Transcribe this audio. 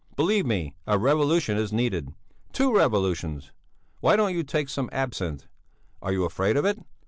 Believe me, a revolution is needed two revolutions! Why don't you take some absinth? Are you afraid of it?